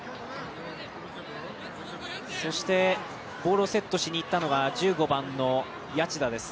ボールをセットしにいったのが１５番の谷内田です。